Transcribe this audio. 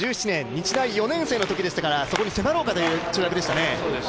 日大２年生のときでしたからそこに迫ろうかという跳躍でしたね。